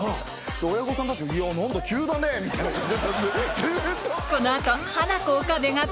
親御さんたちも「何だ急だね」みたいなずっと。